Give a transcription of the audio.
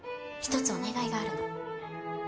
一つお願いがあるの。